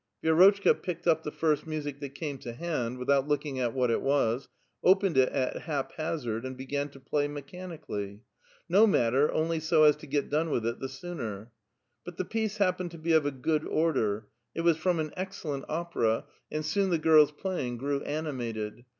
Vierotchka picked up the first music that came to hand, without looking at what it was, opened it at haphazard, and began to play mechanically ; no matter, only so as to get done with it the sooner. But the piece happened to be of a good order ; it was from an excellent opera, and soon the giiTs i)laying grew animated.